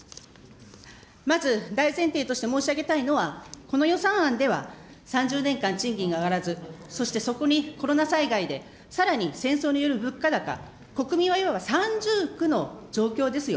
まず大前提として申し上げたいのは、この予算案では３０年間賃金が上がらず、そしてそこにコロナ災害で、さらに戦争による物価高、国民はいわば三重苦の状況ですよ。